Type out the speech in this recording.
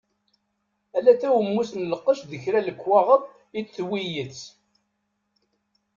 Ala tawemmust n lqec d kra n lekwaɣeḍ i d-tewwi d yid-s.